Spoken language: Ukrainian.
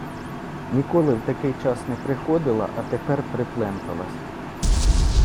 Ніколи в такий час не приходила, а тепер припленталась.